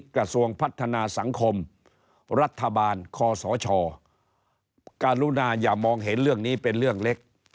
กระทรวงพัฒนาสังคมรัฐบาลคอสชการุณาอย่ามองเห็นเรื่องนี้เป็นเรื่องเล็ก